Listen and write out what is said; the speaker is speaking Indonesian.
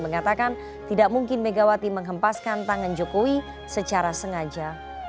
mengatakan tidak mungkin megawati menghempaskan tangan jokowi secara sengaja